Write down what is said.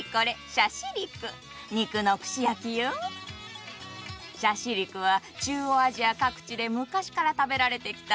シャシリクは中央アジア各地で昔から食べられてきたスタミナ食なの。